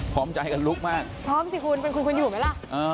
พร้อมใจกันลุกมากพร้อมสิคุณเป็นคุณคุณอยู่ไหมล่ะ